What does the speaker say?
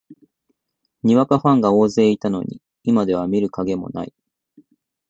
にわかファンが大勢いたのに、今では見る影もない